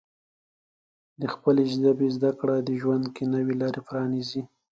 د خپلې ژبې زده کړه ژوند کې نوې لارې پرانیزي.